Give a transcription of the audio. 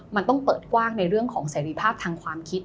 มันต้องเปิดกว้างในเรื่องของเสรีภาพทางความคิด